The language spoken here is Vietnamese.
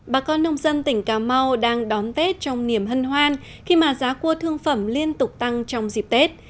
bà con nông dân tỉnh cà mau đang đón tết trong niềm hân hoan khi mà giá cua thương phẩm liên tục tăng trong dịp tết